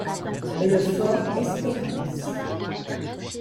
Le fort Espérance —